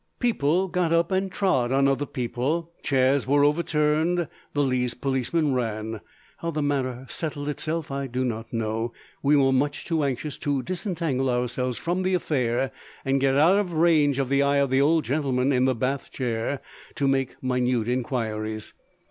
People got up and trod on other people, chairs were overturned, the Leas policeman ran. How the matter settled itself I do not know we were much too anxious to disentangle ourselves from the affair and get out of range of the eye of the old gentleman in the bath chair to make minute inquiries.